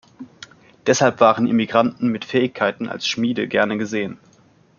Deshalb waren Immigranten mit Fähigkeiten als Schmiede gerne gesehen.